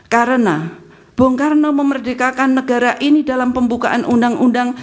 karena bung karno memerdekakan negara ini dalam pembukaan undang undang